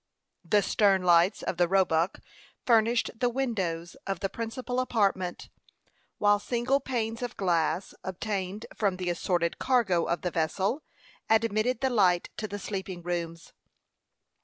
The stern lights of the Roebuck furnished the windows of the principal apartment; while single panes of glass, obtained from the assorted cargo of the vessel, admitted the light to the sleeping rooms.